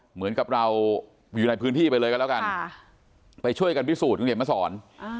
เหมือนกับเราอยู่ในพื้นที่ไปเลยก็แล้วกันไปช่วยกันพิสูจน์คุณเขียนมาสอน